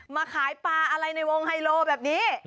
มาขายปลาอะไรในวงไฮโลแบบนี้